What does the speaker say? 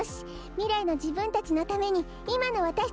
みらいのじぶんたちのためにいまのわたしたちががんばらないと！